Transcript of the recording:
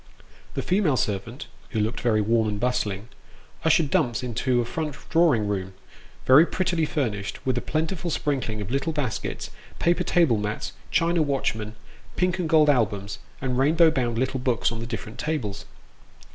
The female servant (who looked very warm and bustling) ushered Dumps into a front drawing room, very prettily furnished, with a plentiful sprinkling of little baskets, paper table mats, china watchmen, pink and gold albums, and rainbow bound little books on the different tables.